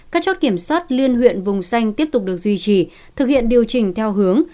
các chốt kiểm soát liên huyện vùng xanh tiếp tục được duy trì thực hiện điều chỉnh theo hướng